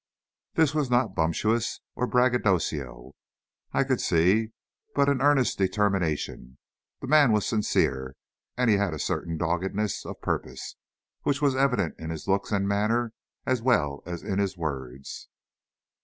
This was not bumptiousness or braggadocio, I could see, but an earnest determination. The man was sincere and he had a certain doggedness of purpose, which was evident in his looks and manner as well as in his words.